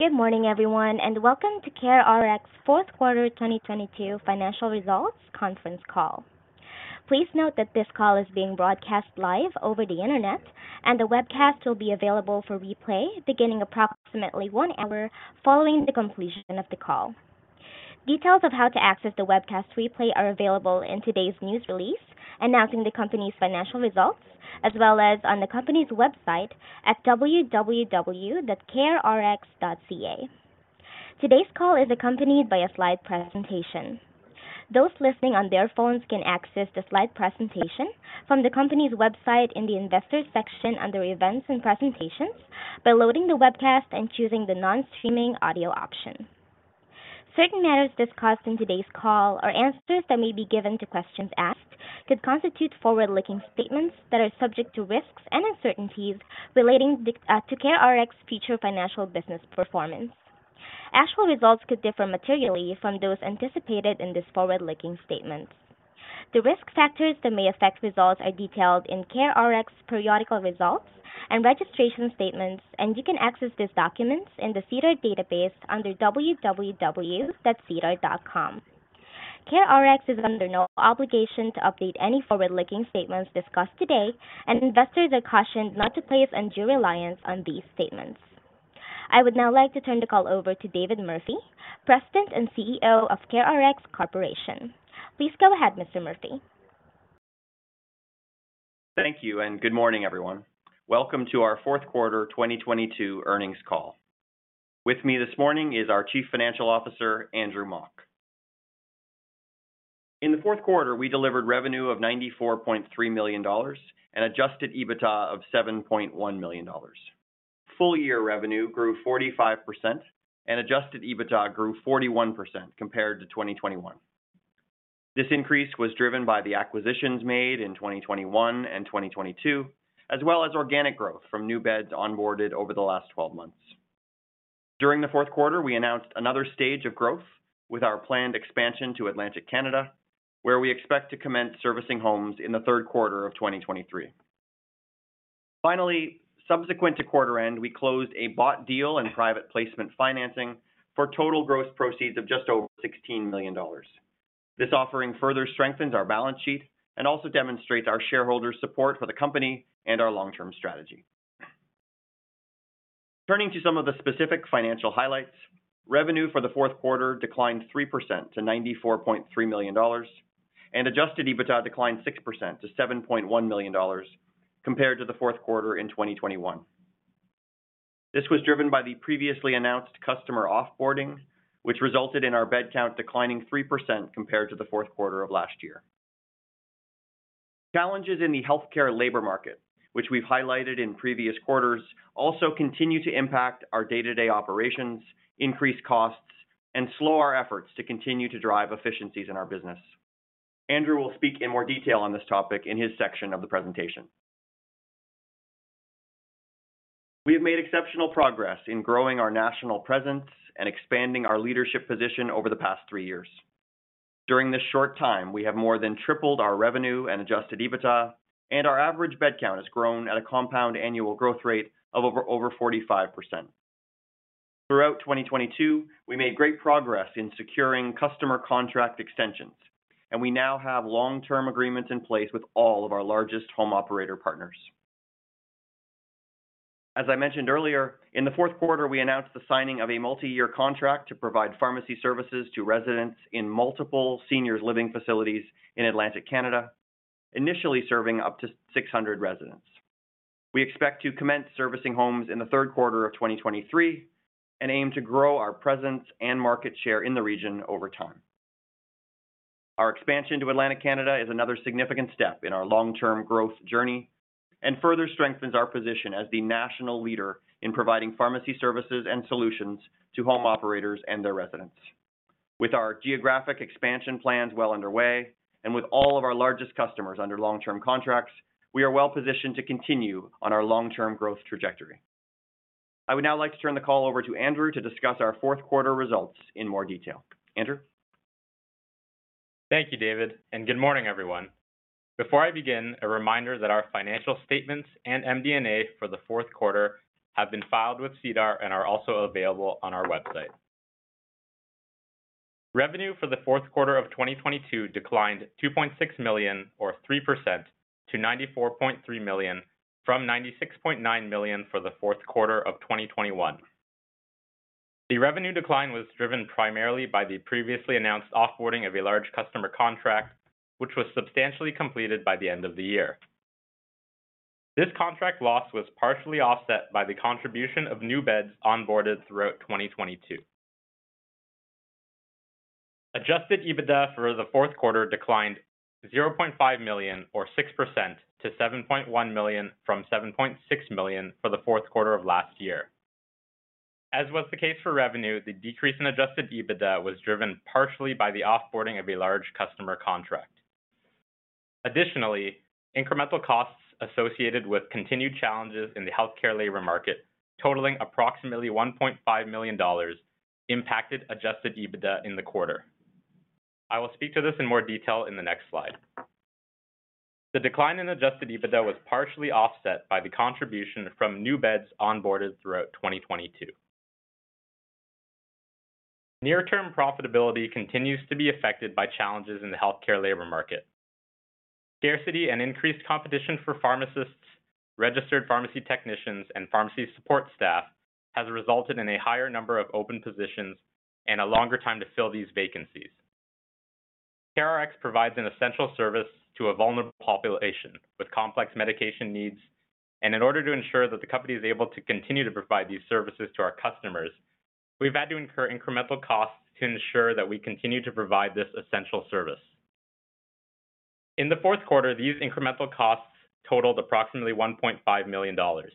Good morning, everyone, and welcome to CareRx fourth quarter 2022 financial results conference call. Please note that this call is being broadcast live over the Internet, and the webcast will be available for replay beginning approximately one hour following the completion of the call. Details of how to access the webcast replay are available in today's news release, announcing the company's financial results, as well as on the company's website at www.carerx.ca. Today's call is accompanied by a slide presentation. Those listening on their phones can access the slide presentation from the company's website in the Investors section under Events and Presentations by loading the webcast and choosing the non-streaming audio option. Certain matters discussed in today's call or answers that may be given to questions asked could constitute forward-looking statements that are subject to risks and uncertainties relating to CareRx's future financial business performance. Actual results could differ materially from those anticipated in this forward-looking statement. The risk factors that may affect results are detailed in CareRx periodical results and registration statements, and you can access these documents in the SEDAR database under www.sedar.com. CareRx is under no obligation to update any forward-looking statements discussed today, and investors are cautioned not to place undue reliance on these statements. I would now like to turn the call over to David Murphy, President and CEO of CareRx Corporation. Please go ahead, Mr. Murphy. Thank you. Good morning, everyone. Welcome to our fourth quarter 2022 earnings call. With me this morning is our Chief Financial Officer, Andrew Mok. In the fourth quarter, we delivered revenue of 94.3 million dollars and adjusted EBITDA of 7.1 million dollars. Full-year revenue grew 45% and adjusted EBITDA grew 41% compared to 2021. This increase was driven by the acquisitions made in 2021 and 2022, as well as organic growth from new beds onboarded over the last 12 months. During the fourth quarter, we announced another stage of growth with our planned expansion to Atlantic Canada, where we expect to commence servicing homes in the third quarter of 2023. Finally, subsequent to quarter end, we closed a bought deal and private placement financing for total gross proceeds of just over 16 million dollars. This offering further strengthens our balance sheet and also demonstrates our shareholders' support for the company and our long-term strategy. Turning to some of the specific financial highlights, revenue for the fourth quarter declined 3% to 94.3 million dollars and adjusted EBITDA declined 6% to 7.1 million dollars compared to the fourth quarter in 2021. This was driven by the previously announced customer off-boarding, which resulted in our bed count declining 3% compared to the fourth quarter of last year. Challenges in the healthcare labor market, which we've highlighted in previous quarters, also continue to impact our day-to-day operations, increase costs, and slow our efforts to continue to drive efficiencies in our business. Andrew will speak in more detail on this topic in his section of the presentation. We have made exceptional progress in growing our national presence and expanding our leadership position over the past three years. During this short time, we have more than tripled our revenue and adjusted EBITDA, and our average bed count has grown at a compound annual growth rate of over 45%. Throughout 2022, we made great progress in securing customer contract extensions. We now have long-term agreements in place with all of our largest home operator partners. As I mentioned earlier, in the fourth quarter, we announced the signing of a multi-year contract to provide pharmacy services to residents in multiple seniors living facilities in Atlantic Canada, initially serving up to 600 residents. We expect to commence servicing homes in the third quarter of 2023. We aim to grow our presence and market share in the region over time. Our expansion to Atlantic Canada is another significant step in our long-term growth journey and further strengthens our position as the national leader in providing pharmacy services and solutions to home operators and their residents. With our geographic expansion plans well underway and with all of our largest customers under long-term contracts, we are well positioned to continue on our long-term growth trajectory. I would now like to turn the call over to Andrew to discuss our fourth quarter results in more detail. Andrew. Thank you, David, and good morning, everyone. Before I begin, a reminder that our financial statements and MD&A for the fourth quarter have been filed with SEDAR and are also available on our website. Revenue for the fourth quarter of 2022 declined 2.6 million or 3% to 94.3 million from 96.9 million for the fourth quarter of 2021. The revenue decline was driven primarily by the previously announced off-boarding of a large customer contract, which was substantially completed by the end of the year. This contract loss was partially offset by the contribution of new beds onboarded throughout 2022. Adjusted EBITDA for the fourth quarter declined 0.5 million or 6% to 7.1 million from 7.6 million for the fourth quarter of last year. As was the case for revenue, the decrease in adjusted EBITDA was driven partially by the off-boarding of a large customer contract. Incremental costs associated with continued challenges in the healthcare labor market totaling approximately 1.5 million dollars impacted adjusted EBITDA in the quarter. I will speak to this in more detail in the next slide. The decline in adjusted EBITDA was partially offset by the contribution from new beds onboarded throughout 2022. Near-term profitability continues to be affected by challenges in the healthcare labor market. Scarcity and increased competition for pharmacists, registered pharmacy technicians, and pharmacy support staff has resulted in a higher number of open positions and a longer time to fill these vacancies. CRRX provides an essential service to a vulnerable population with complex medication needs. In order to ensure that the company is able to continue to provide these services to our customers, we've had to incur incremental costs to ensure that we continue to provide this essential service. In the fourth quarter, these incremental costs totaled approximately 1.5 million dollars.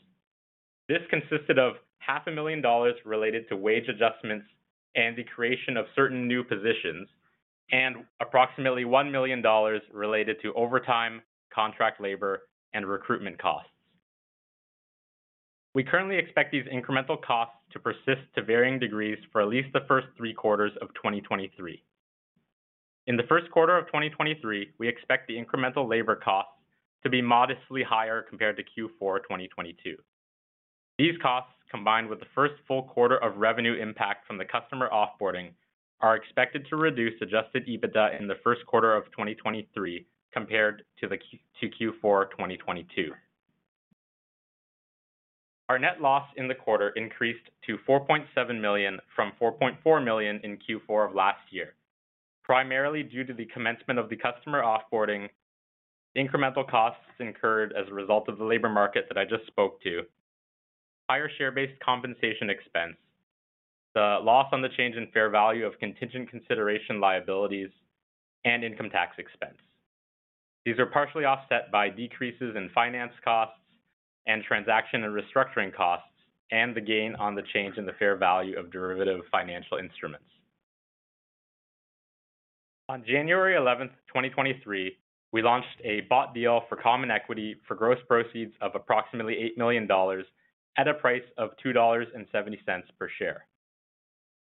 This consisted of 500,000 dollars Related to wage adjustments and the creation of certain new positions, and approximately 1 million dollars related to overtime, contract labor, and recruitment costs. We currently expect these incremental costs to persist to varying degrees for at least the first three quarters of 2023. In the first quarter of 2023, we expect the incremental labor costs to be modestly higher compared to Q4 2022. These costs, combined with the first full quarter of revenue impact from the customer off-boarding, are expected to reduce adjusted EBITDA in the first quarter of 2023 compared to Q4 2022. Our net loss in the quarter increased to 4.7 million from 4.4 million in Q4 of last year, primarily due to the commencement of the customer off-boarding, the incremental costs incurred as a result of the labor market that I just spoke to, higher share-based compensation expense, the loss on the change in fair value of contingent consideration liabilities, and income tax expense. These are partially offset by decreases in finance costs and transaction and restructuring costs and the gain on the change in the fair value of derivative financial instruments. On January 11, 2023, we launched a bought deal for common equity for gross proceeds of approximately 8 million dollars at a price of 2.70 dollars per share.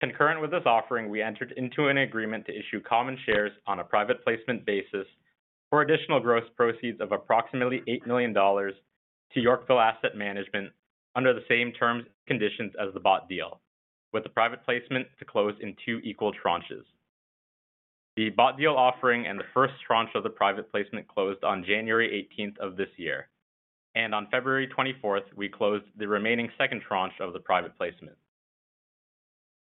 Concurrent with this offering, we entered into an agreement to issue common shares on a private placement basis for additional gross proceeds of approximately 8 million dollars to Yorkville Asset Management under the same terms and conditions as the bought deal, with the private placement to close in two equal tranches. The bought deal offering and the first tranche of the private placement closed on January 18 of this year. On February 24, we closed the remaining second tranche of the private placement.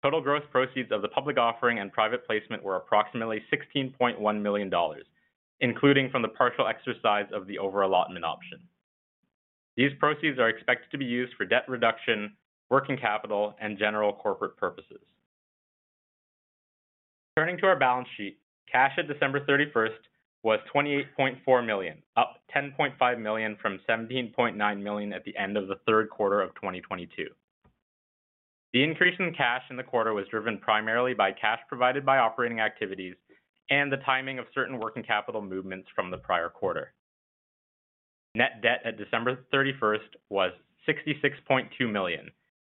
Total gross proceeds of the public offering and private placement were approximately 16.1 million dollars, including from the partial exercise of the overallotment option. These proceeds are expected to be used for debt reduction, working capital, and general corporate purposes. Turning to our balance sheet, cash at December 31st was 28.4 million, up 10.5 million from 17.9 million at the end of the third quarter of 2022. The increase in cash in the quarter was driven primarily by cash provided by operating activities and the timing of certain working capital movements from the prior quarter. Net debt at December 31st was 66.2 million,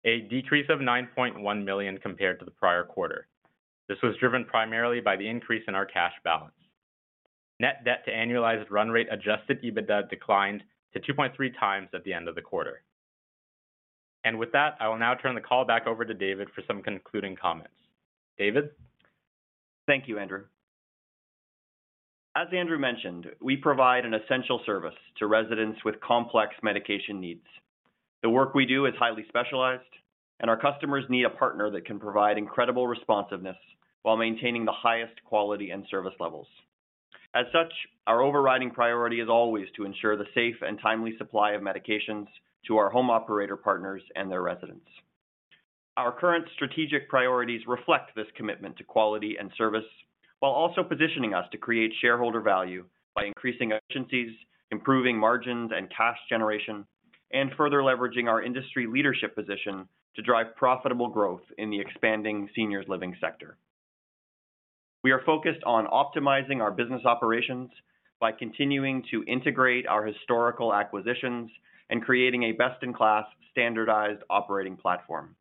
a decrease of 9.1 million compared to the prior quarter. This was driven primarily by the increase in our cash balance. Net debt to annualized run rate adjusted EBITDA declined to 2.3 times at the end of the quarter. With that, I will now turn the call back over to David for some concluding comments. David? Thank you, Andrew. As Andrew mentioned, we provide an essential service to residents with complex medication needs. The work we do is highly specialized, and our customers need a partner that can provide incredible responsiveness while maintaining the highest quality and service levels. As such, our overriding priority is always to ensure the safe and timely supply of medications to our home operator partners and their residents. Our current strategic priorities reflect this commitment to quality and service while also positioning us to create shareholder value by increasing efficiencies, improving margins and cash generation, and further leveraging our industry leadership position to drive profitable growth in the expanding seniors living sector. We are focused on optimizing our business operations by continuing to integrate our historical acquisitions and creating a best-in-class standardized operating platform.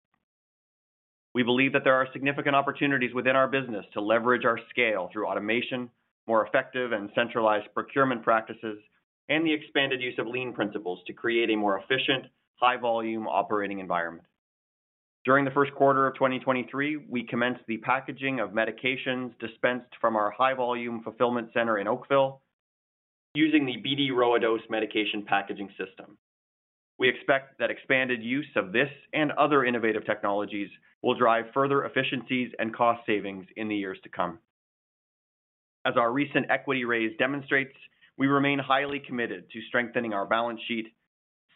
We believe that there are significant opportunities within our business to leverage our scale through automation, more effective and centralized procurement practices, and the expanded use of lean principles to create a more efficient, high-volume operating environment. During the first quarter of 2023, we commenced the packaging of medications dispensed from our high-volume fulfillment center in Oakville using the BD Rowa Dose medication packaging system. We expect that expanded use of this and other innovative technologies will drive further efficiencies and cost savings in the years to come. As our recent equity raise demonstrates, we remain highly committed to strengthening our balance sheet,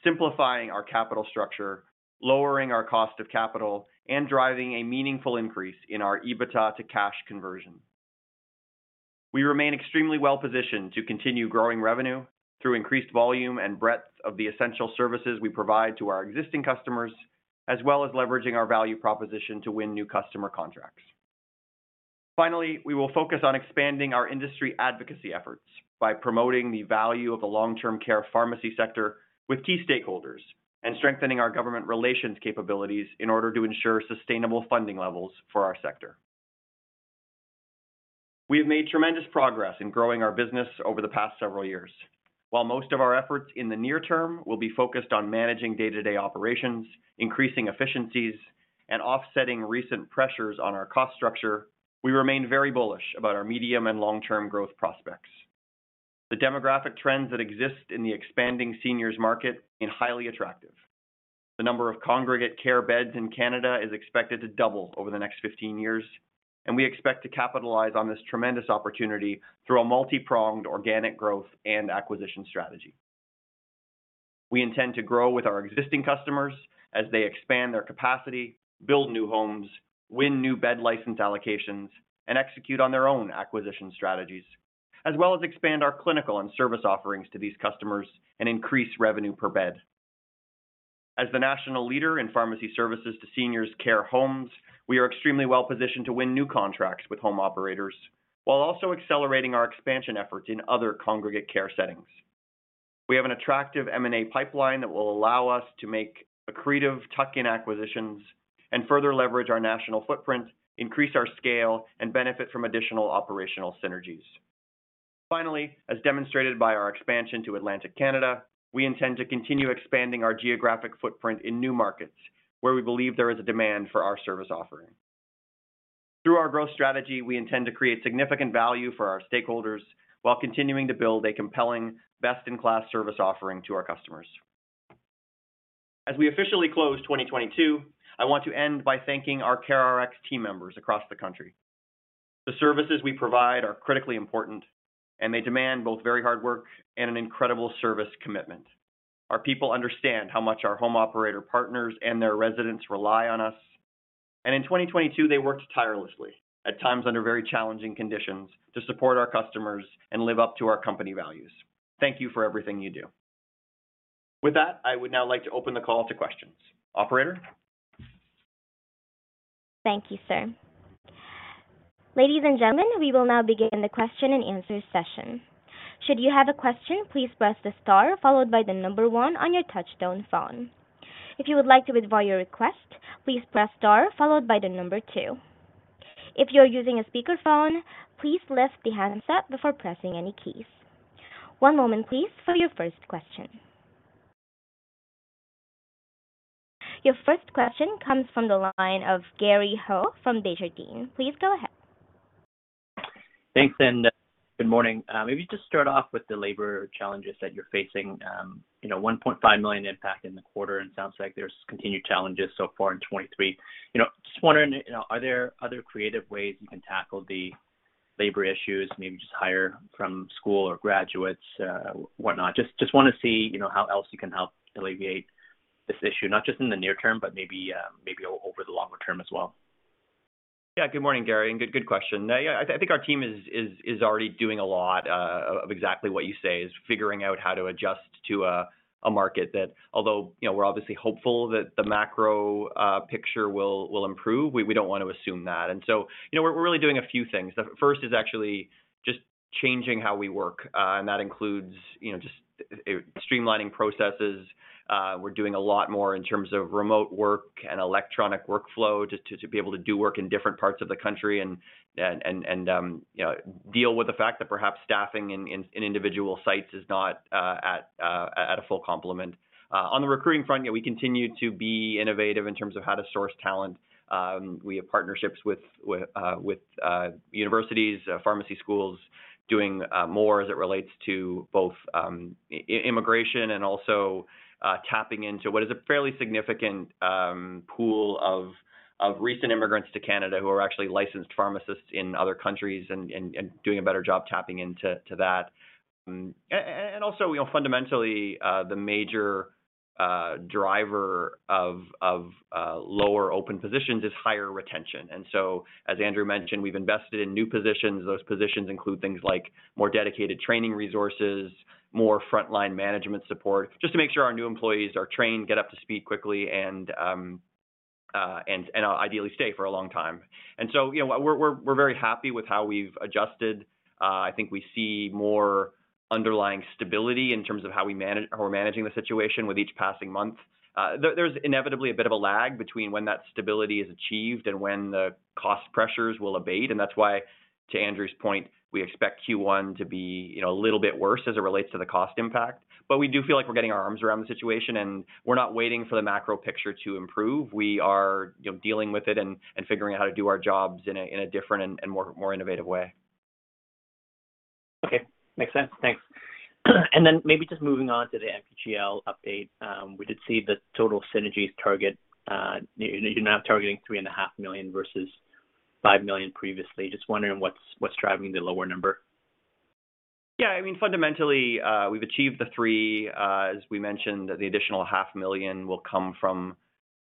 simplifying our capital structure, lowering our cost of capital, and driving a meaningful increase in our EBITDA to cash conversion. We remain extremely well positioned to continue growing revenue through increased volume and breadth of the essential services we provide to our existing customers, as well as leveraging our value proposition to win new customer contracts. Finally, we will focus on expanding our industry advocacy efforts by promoting the value of the long-term care pharmacy sector with key stakeholders and strengthening our government relations capabilities in order to ensure sustainable funding levels for our sector. We have made tremendous progress in growing our business over the past several years. While most of our efforts in the near term will be focused on managing day-to-day operations, increasing efficiencies, and offsetting recent pressures on our cost structure, we remain very bullish about our medium and long-term growth prospects. The demographic trends that exist in the expanding seniors market are highly attractive. The number of congregate care beds in Canada is expected to double over the next 15 years. We expect to capitalize on this tremendous opportunity through a multi-pronged organic growth and acquisition strategy. We intend to grow with our existing customers as they expand their capacity, build new homes, win new bed license allocations, and execute on their own acquisition strategies, as well as expand our clinical and service offerings to these customers and increase revenue per bed. As the national leader in pharmacy services to seniors care homes, we are extremely well-positioned to win new contracts with home operators while also accelerating our expansion efforts in other congregate care settings. We have an attractive M&A pipeline that will allow us to make accretive tuck-in acquisitions and further leverage our national footprint, increase our scale, and benefit from additional operational synergies. Finally, as demonstrated by our expansion to Atlantic Canada, we intend to continue expanding our geographic footprint in new markets where we believe there is a demand for our service offering. Through our growth strategy, we intend to create significant value for our stakeholders while continuing to build a compelling best-in-class service offering to our customers. As we officially close 2022, I want to end by thanking our CareRx team members across the country. The services we provide are critically important, and they demand both very hard work and an incredible service commitment. Our people understand how much our home operator partners and their residents rely on us, and in 2022, they worked tirelessly at times under very challenging conditions to support our customers and live up to our company values. Thank you for everything you do. With that, I would now like to open the call to questions. Operator. Thank you, sir. Ladies and gentlemen, we will now begin the question-and-answer session. Should you have a question, please press the star followed by the number one on your touchtone phone. If you would like to withdraw your request, please press star followed by the number two. If you're using a speakerphone, please lift the handset before pressing any keys. One moment please for your first question. Your first question comes from the line of Gary Ho from Desjardins. Please go ahead. Thanks. Good morning. Maybe just start off with the labor challenges that you're facing. You know, 1.5 million impact in the quarter, and sounds like there's continued challenges so far in 2023. You know, just wondering, you know, are there other creative ways you can tackle the labor issues, maybe just hire from school or graduates, whatnot? Just wanna see, you know, how else you can help alleviate this issue, not just in the near term, but maybe over the longer term as well. Good morning, Gary, and good question. I think our team is already doing a lot of exactly what you say is figuring out how to adjust to a market that although, you know, we're obviously hopeful that the macro picture will improve, we don't want to assume that. You know, we're really doing a few things. The first is actually just changing how we work, and that includes, you know, just streamlining processes. We're doing a lot more in terms of remote work and electronic workflow just to be able to do work in different parts of the country and, you know, deal with the fact that perhaps staffing in individual sites is not at a full complement. On the recruiting front, yeah, we continue to be innovative in terms of how to source talent. We have partnerships with universities, pharmacy schools doing more as it relates to both immigration and also tapping into what is a fairly significant pool of recent immigrants to Canada who are actually licensed pharmacists in other countries and doing a better job tapping into that. Also, you know, fundamentally, the major driver of lower open positions is higher retention. As Andrew mentioned, we've invested in new positions. Those positions include things like more dedicated training resources, more frontline management support, just to make sure our new employees are trained, get up to speed quickly and ideally stay for a long time. You know, we're very happy with how we've adjusted. I think we see more underlying stability in terms of how we're managing the situation with each passing month. There's inevitably a bit of a lag between when that stability is achieved and when the cost pressures will abate, and that's why, to Andrew's point, we expect Q1 to be, you know, a little bit worse as it relates to the cost impact. We do feel like we're getting our arms around the situation, and we're not waiting for the macro picture to improve. We are, you know, dealing with it and figuring out how to do our jobs in a different and more innovative way. Okay. Makes sense. Thanks. Maybe just moving on to the MPGL update. We did see the total synergies target. You're now targeting 3.5 million versus 5 million previously. Just wondering what's driving the lower number? Yeah, I mean, fundamentally, we've achieved the three. As we mentioned, the additional 500,000 will come from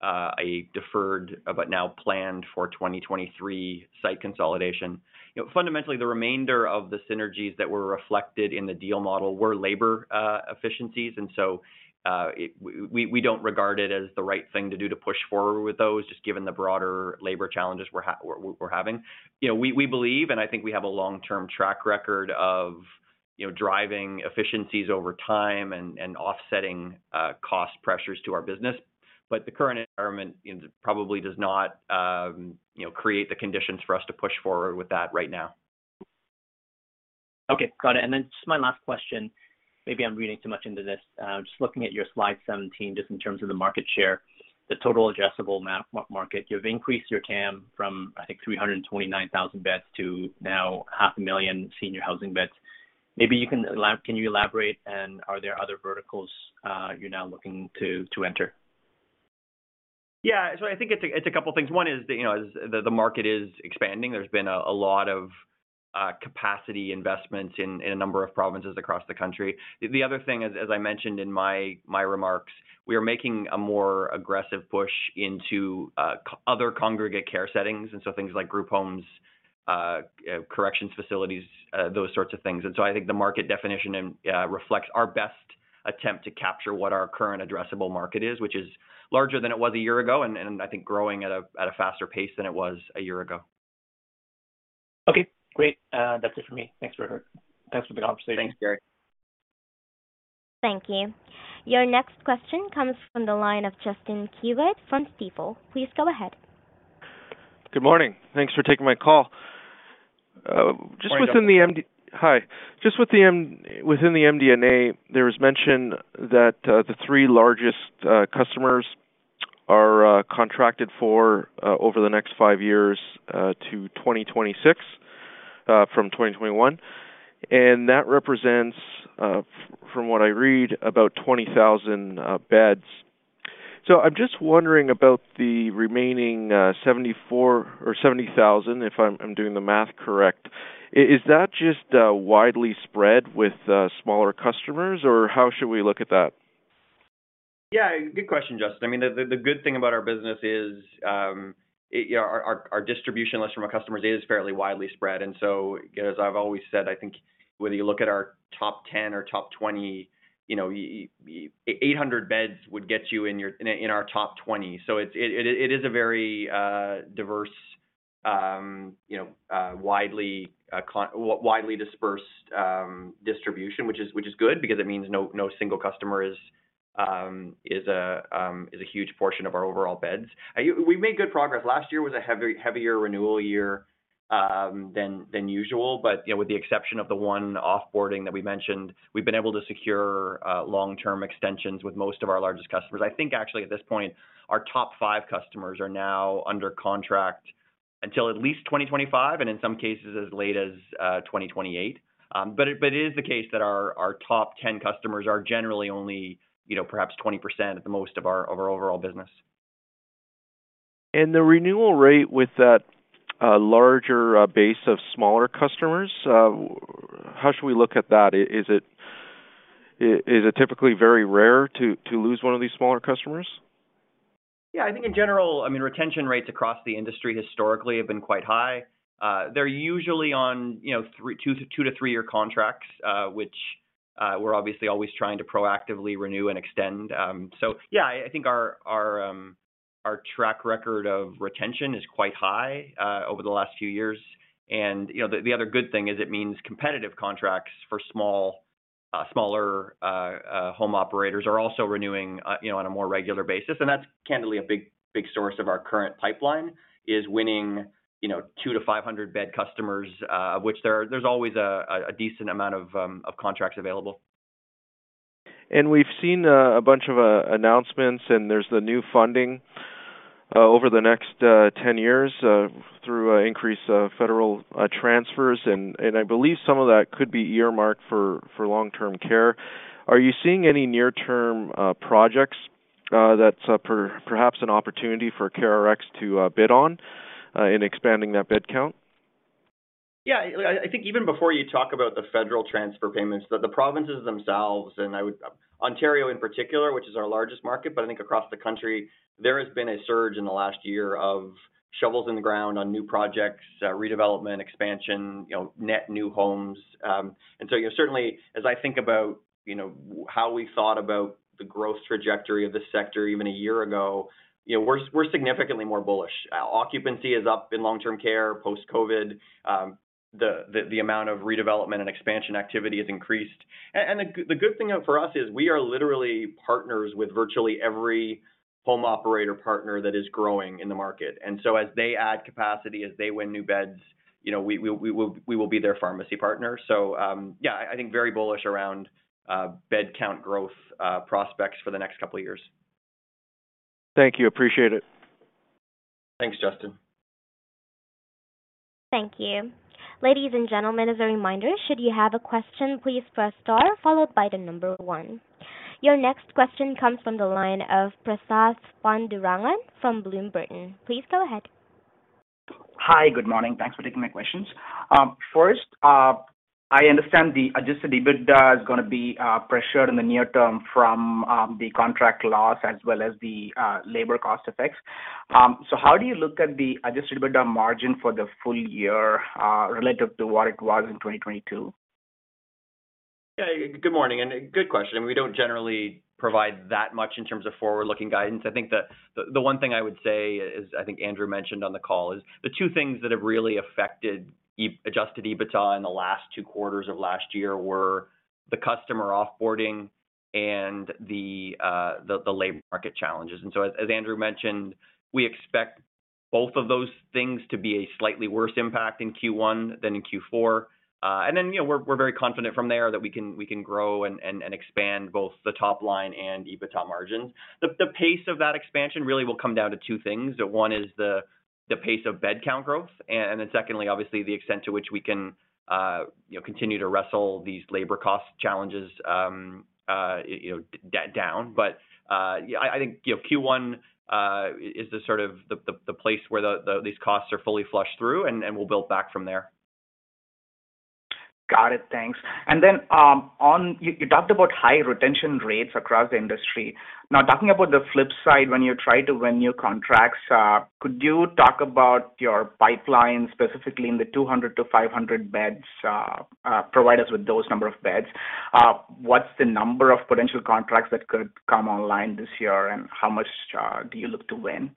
a deferred but now planned for 2023 site consolidation. You know, fundamentally, the remainder of the synergies that were reflected in the deal model were labor efficiencies. We don't regard it as the right thing to do to push forward with those, just given the broader labor challenges we're having. You know, we believe, and I think we have a long-term track record of, you know, driving efficiencies over time and offsetting cost pressures to our business. The current environment, you know, probably does not, you know, create the conditions for us to push forward with that right now. Just my last question, maybe I'm reading too much into this. Just looking at your slide 17, just in terms of the market share, the total adjustable market, you've increased your TAM from, I think, 329,000 beds to now 500,000 senior housing beds. Maybe you can you elaborate, and are there other verticals, you're now looking to enter? Yeah. I think it's a couple things. One is that, you know, the market is expanding. There's been a lot of capacity investments in a number of provinces across the country. The other thing is, as I mentioned in my remarks, we are making a more aggressive push into other congregate care settings, things like group homes, corrections facilities, those sorts of things. I think the market definition reflects our best attempt to capture what our current addressable market is, which is larger than it was a year ago and I think growing at a faster pace than it was a year ago. Okay, great. That's it for me. Thanks, David. Thanks for the conversation. Thanks, Gary. Thank you. Your next question comes from the line of Justin Keywood from Stifel. Please go ahead. Good morning. Thanks for taking my call. Good morning, Justin. Hi. Within the MD&A, there was mention that the three largest customers are contracted for over the next five years, to 2026, from 2021, and that represents from what I read, about 20,000 beds. I'm just wondering about the remaining 74,000 or 70,000, if I'm doing the math correct. Is that just widely spread with smaller customers, or how should we look at that? Yeah, good question, Justin. I mean, the good thing about our business is, you know, our distribution list from our customers is fairly widely spread. You know, as I've always said, I think whether you look at our top 10 or top 20, you know, 800 beds would get you in your, in our top 20. It is a very diverse, you know, widely dispersed distribution, which is, which is good because it means no single customer is a huge portion of our overall beds. We made good progress. Last year was a heavier renewal year than usual. You know, with the exception of the one off-boarding that we mentioned, we've been able to secure long-term extensions with most of our largest customers. I think actually at this point, our top five customers are now under contract until at least 2025 and in some cases as late as 2028. It is the case that our top 10 customers are generally only, you know, perhaps 20% at the most of our overall business. The renewal rate with that, larger, base of smaller customers, how should we look at that? Is it typically very rare to lose one of these smaller customers? Yeah. I think in general, I mean, retention rates across the industry historically have been quite high. They're usually on two to three-year contracts, which we're obviously always trying to proactively renew and extend. Yeah, I think our track record of retention is quite high over the last few years. The other good thing is it means competitive contracts for small, smaller home operators are also renewing on a more regular basis. That's candidly a big source of our current pipeline, is winning 200 to 500 bed customers, which there's always a decent amount of contracts available. We've seen a bunch of announcements, and there's the new funding over the next 10 years through increased federal transfers. I believe some of that could be earmarked for long-term care. Are you seeing any near-term projects that's perhaps an opportunity for CareRx to bid on in expanding that bed count? Yeah. I think even before you talk about the federal transfer payments, the provinces themselves, Ontario in particular, which is our largest market, but I think across the country, there has been a surge in the last year of shovels in the ground on new projects, redevelopment, expansion, you know, net new homes. You know, certainly as I think about, you know, how we thought about the growth trajectory of this sector even a year ago, you know, we're significantly more bullish. Occupancy is up in long-term care post-COVID. The amount of redevelopment and expansion activity has increased. The good thing for us is we are literally partners with virtually every home operator partner that is growing in the market. As they add capacity, as they win new beds, you know, we will be their pharmacy partner. Yeah, I think very bullish around bed count growth prospects for the next couple of years. Thank you. Appreciate it. Thanks, Justin. Thank you. Ladies and gentlemen, as a reminder, should you have a question, please press star followed by one. Your next question comes from the line of Prasath Pandurangan from Bloom Burton. Please go ahead. Hi. Good morning. Thanks for taking my questions. First, I understand the adjusted EBITDA is gonna be pressured in the near term from the contract loss as well as the labor cost effects. How do you look at the adjusted EBITDA margin for the full year relative to what it was in 2022? Yeah. Good morning. Good question. We don't generally provide that much in terms of forward-looking guidance. I think the one thing I would say is, I think Andrew mentioned on the call, is the two things that have really affected adjusted EBITDA in the last two quarters of last year were the customer off-boarding and the labor market challenges. As Andrew mentioned, we expect both of those things to be a slightly worse impact in Q1 than in Q4. Then, you know, we're very confident from there that we can grow and expand both the top line and EBITDA margins. The pace of that expansion really will come down to two things. One is the pace of bed count growth and then secondly, obviously, the extent to which we can, you know, continue to wrestle these labor cost challenges, you know, down. Yeah, I think, you know, Q1 is the sort of the place where these costs are fully flushed through, and we'll build back from there. Got it. Thanks. You talked about high retention rates across the industry. Now, talking about the flip side when you try to win new contracts, could you talk about your pipeline, specifically in the 200-500 beds, provide us with those number of beds? What's the number of potential contracts that could come online this year, and how much do you look to win?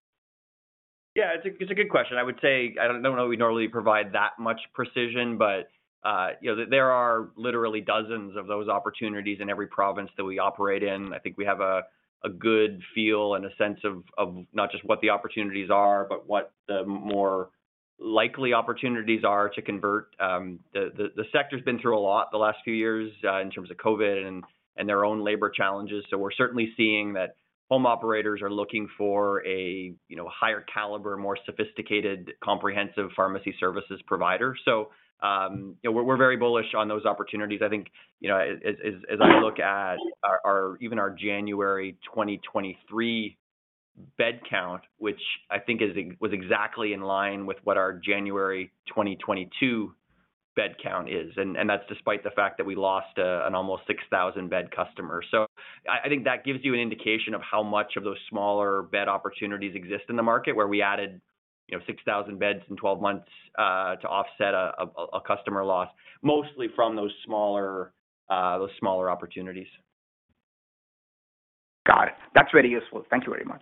Yeah, it's a good question. I would say, I don't know if we'd normally provide that much precision, but, you know, there are literally dozens of those opportunities in every province that we operate in. I think we have a good feel and a sense of not just what the opportunities are, but what the more likely opportunities are to convert. The sector's been through a lot the last few years, in terms of COVID and their own labor challenges. We're certainly seeing that home operators are looking for a, you know, higher caliber, more sophisticated, comprehensive pharmacy services provider. You know, we're very bullish on those opportunities. I think, you know, as I look at our, even our January 2023 bed count, which I think was exactly in line with what our January 2022 bed count is. That's despite the fact that we lost an almost 6,000-bed customer. I think that gives you an indication of how much of those smaller bed opportunities exist in the market, where we added, you know, 6,000 beds in 12 months, to offset a customer loss, mostly from those smaller, those smaller opportunities. Got it. That's very useful. Thank you very much.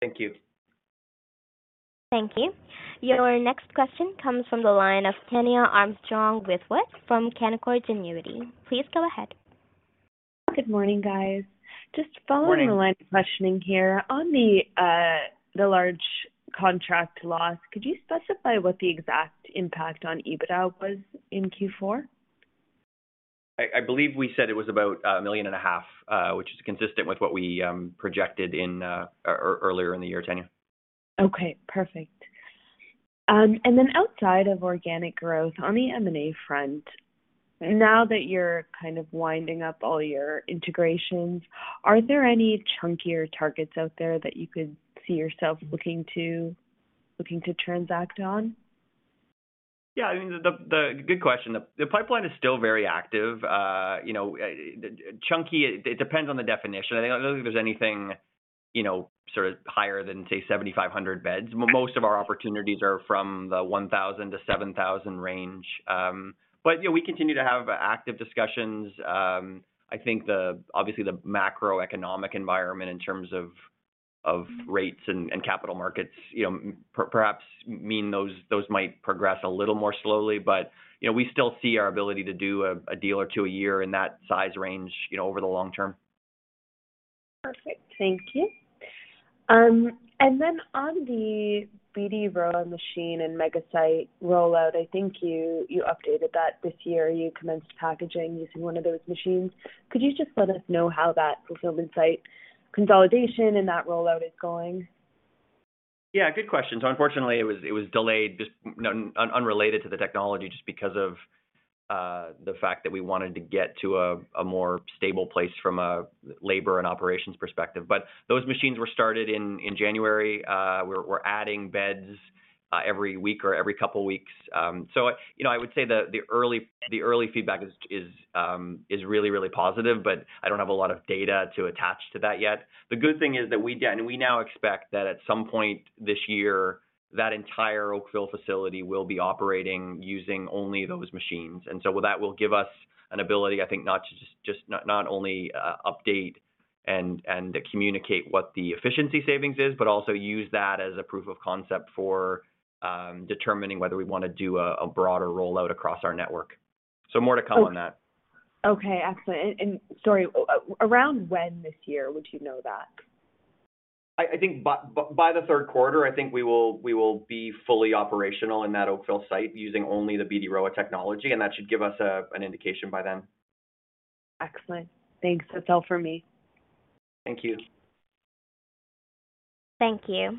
Thank you. Thank you. Your next question comes from the line of Tania Armstrong-Whitworth from Canaccord Genuity. Please go ahead. Good morning, guys. Just following- Morning. The line of questioning here. On the large contract loss, could you specify what the exact impact on EBITDA was in Q4? I believe we said it was about a 1.5 million, which is consistent with what we projected in earlier in the year, Tania. Okay, perfect. Outside of organic growth, on the M&A front, now that you're kind of winding up all your integrations, are there any chunkier targets out there that you could see yourself looking to, looking to transact on? Yeah, I mean, the good question. The pipeline is still very active. You know, chunky, it depends on the definition. I don't think there's anything, you know, sort of higher than, say, 7,500 beds. Most of our opportunities are from the 1,000 to 7,000 range. You know, we continue to have active discussions. I think the, obviously the macroeconomic environment in terms of rates and capital markets, you know, perhaps mean those might progress a little more slowly. You know, we still see our ability to do a deal or two a year in that size range, you know, over the long term. Perfect. Thank you. On the BD Rowa machine and MegaSite rollout, I think you updated that this year. You commenced packaging using one of those machines. Could you just let us know how that fulfillment site consolidation and that rollout is going? Yeah, good question. Unfortunately, it was delayed just, you know, unrelated to the technology, just because of the fact that we wanted to get to a more stable place from a labor and operations perspective. Those machines were started in January. We're adding beds every week or every couple weeks. You know, I would say the early feedback is really, really positive, but I don't have a lot of data to attach to that yet. The good thing is that we now expect that at some point this year, that entire Oakville facility will be operating using only those machines. That will give us an ability, I think, not only update and communicate what the efficiency savings is, but also use that as a proof of concept for determining whether we wanna do a broader rollout across our network. More to come on that. Okay. Excellent. Sorry, around when this year would you know that? I think by the third quarter, I think we will be fully operational in that Oakville site using only the BD Rowa technology, and that should give us an indication by then. Excellent. Thanks. That's all for me. Thank you. Thank you.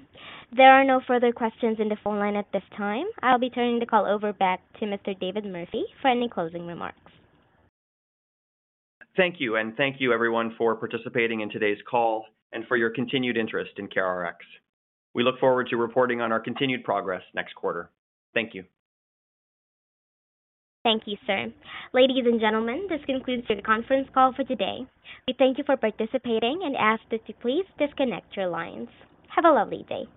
There are no further questions in the phone line at this time. I'll be turning the call over back to Mr. David Murphy for any closing remarks. Thank you. Thank you everyone for participating in today's call and for your continued interest in CareRx. We look forward to reporting on our continued progress next quarter. Thank you. Thank you, sir. Ladies and gentlemen, this concludes your conference call for today. We thank you for participating and ask that you please disconnect your lines. Have a lovely day.